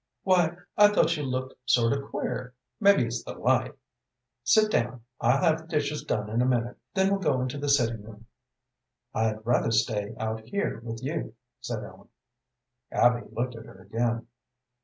"Why, I thought you looked sort of queer. Maybe it's the light. Sit down; I'll have the dishes done in a minute, then we'll go into the sitting room." "I'd rather stay out here with you," said Ellen. Abby looked at her again.